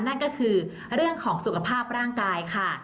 นั่นก็คือเรื่องของสุขภาพร่างกายค่ะ